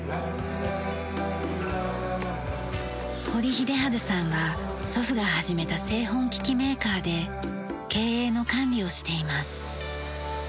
堀英陽さんは祖父が始めた製本機器メーカーで経営の管理をしています。